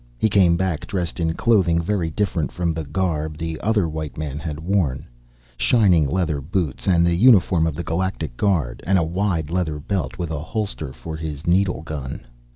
He came back dressed in clothing very different from the garb the other white man had worn. Shining leather boots and the uniform of the Galactic Guard, and a wide leather belt with a holster for his needle gun.